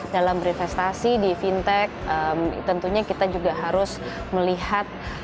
dalam berinvestasi di fintech tentunya kita juga harus melihat